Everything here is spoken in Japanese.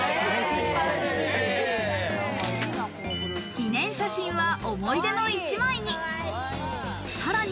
記念写真は思い出の一枚に。